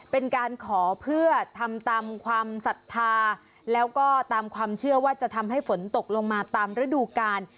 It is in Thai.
เป็นการขอเพื่อทำตามความศรัทธาแล้วก็ตามความเชื่อว่าจะทำให้ฝนตกลงมาตามฤดูกาล